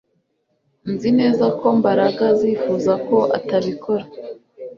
Nzi neza ko Mbaraga azifuza ko atabikora